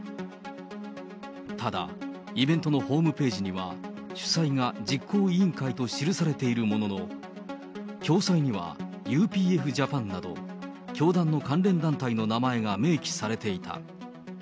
ただ、イベントのホームページには、主催が実行委員会と記されているものの、共催にはＵＰＦジャパンなど教団の関連団体の名前が明記されていた。